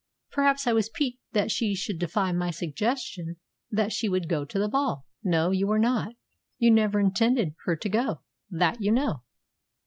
"Perhaps I was piqued that she should defy my suggestion that she should go to the ball." "No, you were not. You never intended her to go. That you know."